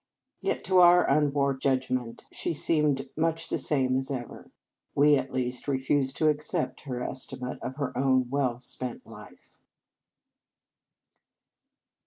Yet, to our un warped judgment, she seemed much the same as ever. We, at least, re fused to accept her estimate of her own well spent life.